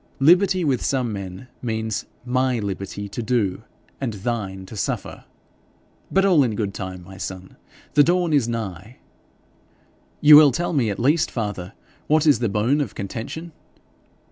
Liberty with some men means MY liberty to do, and THINE to suffer. But all in good time, my son! The dawn is nigh.' 'You will tell me at least, father, what is the bone of contention?'